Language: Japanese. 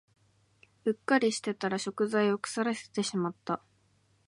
うっかりしてたら食材を腐らせてしまった